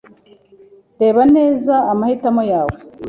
Reba neza amahitamo yawe.